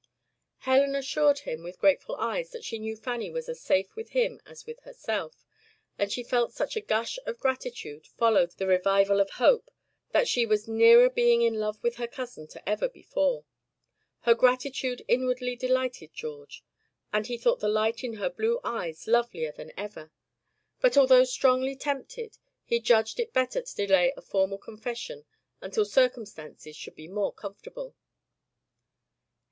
Helen assured him with grateful eyes that she knew Fanny was as safe with him as with herself; and she felt such a gush of gratitude follow the revival of hope, that she was nearer being in love with her cousin to ever before. Her gratitude inwardly delighted George, and he thought the light in her blue eyes lovelier than ever; but although strongly tempted, he judged it better to delay a formal confession until circumstances should be more comfortable.